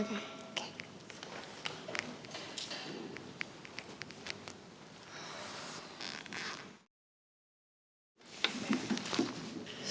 nanti gue bakal pindah ke kota